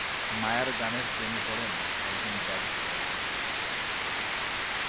মায়ার গানের প্রেমে পড়েন একজন ব্যারিস্টার।